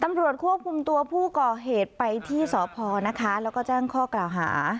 ตำรวจควบคุมตัวผู้ก่อเหตุไปที่สพนะคะแล้วก็แจ้งข้อกล่าวหา